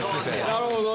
なるほどね。